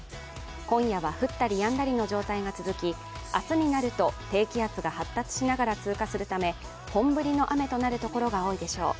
今夜は降ったりやんだりの状態が続き明日になると、低気圧が発達しながら通過するため本降りの雨となるところが多いでしょう。